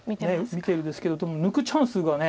見てるんですけどでも抜くチャンスが。